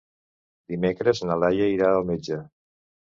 Dimecres na Laia irà al metge.